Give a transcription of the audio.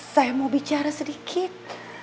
saya mau bicara sedikit